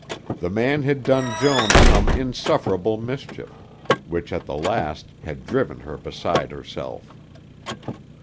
The man had done Joan some insufferable mischief, which at the last had driven her beside herself.